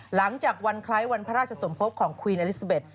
หลังจากวันคล้ายวันพระราชสมภพของควีนอลิซาเบ็ด